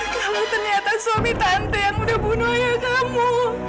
kamu ternyata suami tante yang udah bunuh ayah kamu